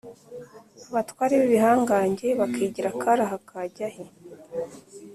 abatware b’ibihangange, bakigira akari aha kajya he?